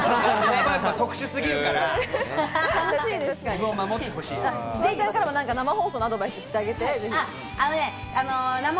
特殊すぎるか生放送のアドバイスしてあげて。